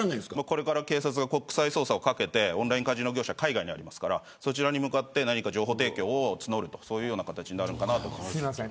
これから警察が国際捜査をかけてオンラインカジノ業者海外にあるのでそちらに向かって情報提供を募る形になると思います。